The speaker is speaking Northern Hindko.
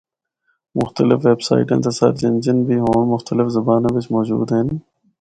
مختلف ویپ سائٹاں تے سرچ انجن بھی ہونڑ مختلف زباناں بچ موجود ہن۔